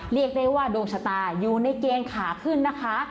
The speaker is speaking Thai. เรียกได้ว่าดวงชะตาอยู่ในเกณฑ์ขาขึ้นนะคะ